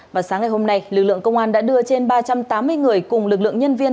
và sáng ngày hôm nay lực lượng công an đã đưa trên ba trăm tám mươi người cùng lực lượng nhân viên